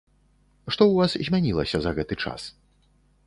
Што ў вас змянілася за гэты час?